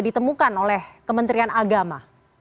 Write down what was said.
ditemukan oleh kementerian agama